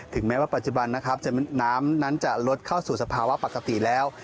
แม้ว่าปัจจุบันนะครับน้ำนั้นจะลดเข้าสู่สภาวะปกติแล้ว